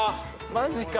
マジか！？